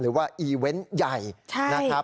หรือว่าอีเวนต์ใหญ่นะครับ